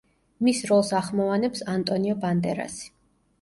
მის როლს ახმოვანებს ანტონიო ბანდერასი.